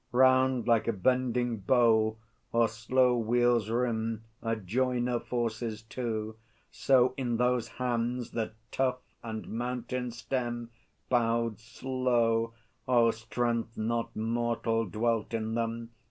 Round like a bending bow, Or slow wheel's rim a joiner forces to, So in those hands that tough and mountain stem Bowed slow oh, strength not mortal dwelt in them!